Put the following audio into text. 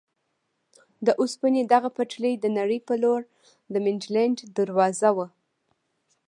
د اوسپنې دغه پټلۍ د نړۍ په لور د منډلینډ دروازه وه.